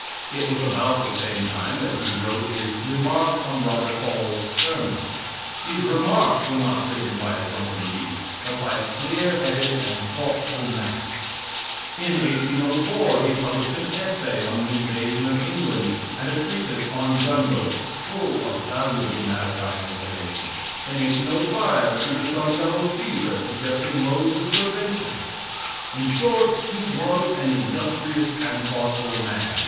It was about the same time that he wrote his "Remarks on Robert Hall's Sermons." These "Remarks" were not written by a drunken beast, but by a clear headed and thoughtful man. In 1804 he published an essay on the invasion of England and a treatise on gun boats, full of valuable maritime information; in 1805 a treatise on yellow fever, suggesting modes of prevention. In short, he was an industrious and thoughtful man.